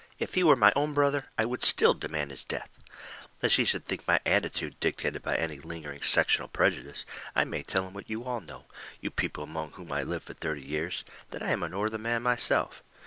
If he were my own brother, I would still demand his death. "Lest he should think my attitude dictated by any lingering sectional prejudice, I may tell him what you all know you people among whom I have lived for thirty years that I am a Northern man myself.